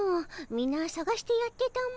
みなさがしてやってたも。